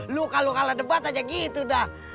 lu kalau kalah debat aja gitu dah